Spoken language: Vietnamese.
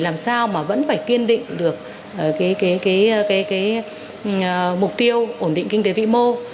làm sao mà vẫn phải kiên định được mục tiêu ổn định kinh tế vĩ mô